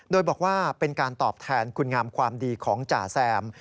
โดยบอกว่าเป็นการตอบแทนคุณงามความดีของจ่าแซม